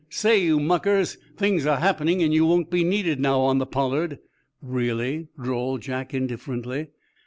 "Say, you muckers, things are happening and you won't be needed now on the 'Pollard.'" "Really?" drawled Jack indifferently.